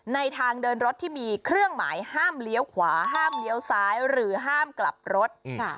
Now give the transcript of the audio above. ทางเดินรถที่มีเครื่องหมายห้ามเลี้ยวขวาห้ามเลี้ยวซ้ายหรือห้ามกลับรถ